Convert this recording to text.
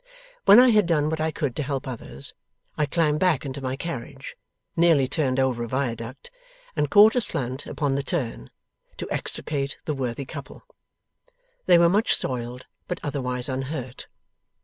When I had done what I could to help others, I climbed back into my carriage nearly turned over a viaduct, and caught aslant upon the turn to extricate the worthy couple. They were much soiled, but otherwise unhurt.